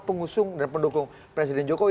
pengusung dan pendukung presiden jokowi